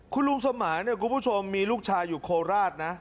คุณลุงสมานเนี่ยคุณผู้ชมมีลูกชายอยู่โคราชนะ